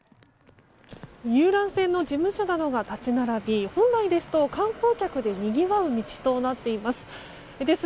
遊覧船の事務所などが立ち並び本来ですと、観光客でにぎわう道となっています。